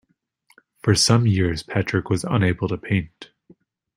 For some years Patrick was unable to paint.